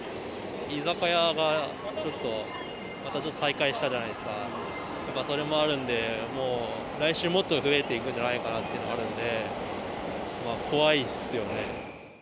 居酒屋がちょっと、また再開したじゃないですか、やっぱそれもあるんで、もう来週、もっと増えていくんじゃないかなというのがあるので、怖いっすよ